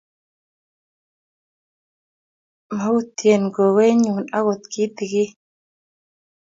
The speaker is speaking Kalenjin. Mayutien gogoenyu akot kitigen